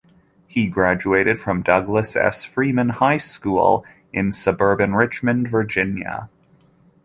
He graduated from Douglas S. Freeman High School in suburban Richmond, Virginia.